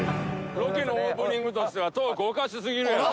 ・ロケのオープニングとしてはトークおかし過ぎるやろ。